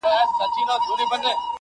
• د شپې ډېوې یا د شیخانو غونډي ولیدلې -